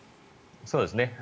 そうですね。